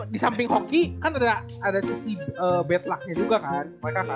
di samping oki kan ada sisi bed lucknya juga kan